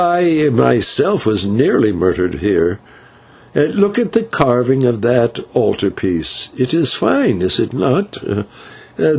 I, myself, was nearly murdered here once. Look at the carving of that altar piece. It is fine, is it not?